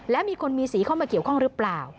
และมีคนมีสีเข้ามาเกี่ยวข้องหรือเปล่า